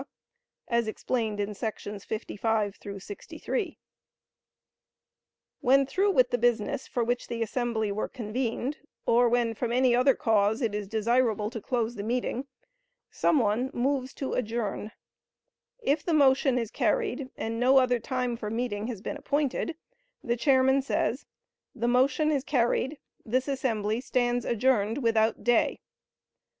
as explained in §§ 55 63. When through with the business for which the assembly were convened, or when from any other cause it is desirable to close the meeting, some one moves "to adjourn;" if the motion is carried and no other time for meeting has been appointed, the chairman says, "The motion is carried; —this assembly stands adjourned without day."